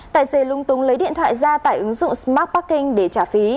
tài xế lung tung lấy điện thoại ra tải ứng dụng smart parking để trả phí